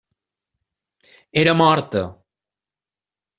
Era morta.